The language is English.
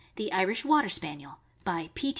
THE IRISH WATER SPANIEL. BY P.